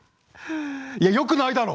いやよくないだろ！